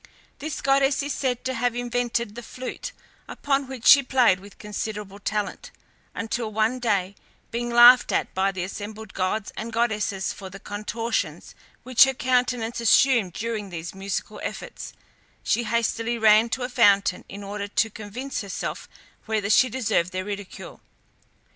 This goddess is said to have invented the flute, upon which she played with considerable talent, until one day, being laughed at by the assembled gods and goddesses for the contortions which her countenance assumed during these musical efforts, she hastily ran to a fountain in order to convince herself whether she deserved their ridicule.